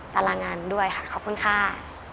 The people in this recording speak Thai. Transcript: ตารางงานด้วยค่ะขอบคุณค่ะ